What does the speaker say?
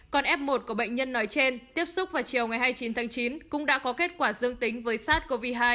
còn f một của bệnh nhân nói trên tiếp xúc vào chiều ngày hai mươi chín tháng chín cũng đã có kết quả dương tính với sars cov hai